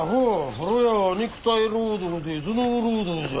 風呂屋は肉体労働で頭脳労働じゃ。